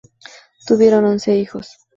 Tuvieron once hijos.